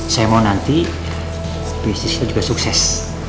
saya mau nanti bisnis kita juga sukses